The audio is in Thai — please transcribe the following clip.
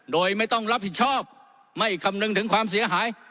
โดยไม่ต้องรับผิดชอบไม่คำนึงถึงความเสียหาย